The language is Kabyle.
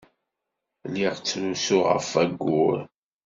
Lliɣ ttrusuɣ ɣef wayyur.